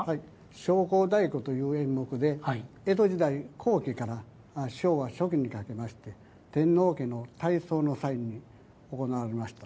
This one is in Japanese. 「焼香太鼓」という演目で江戸時代後期から昭和初期にかけまして天皇家の大喪の際に行われました。